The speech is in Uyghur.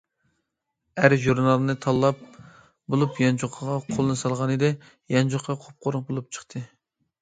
ئەر ژۇرنالنى تاللاپ بولۇپ يانچۇقىغا قولىنى سالغانىدى، يانچۇقى قۇپقۇرۇق بولۇپ چىقتى.